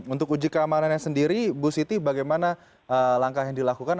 untuk uji keamanannya sendiri bu siti bagaimana langkah yang dilakukan